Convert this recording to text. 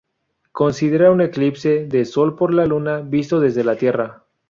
Considera un "eclipse" de Sol por la Luna, visto desde la Tierra.